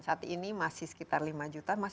saat ini masih sekitar lima juta